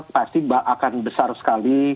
pasti akan besar sekali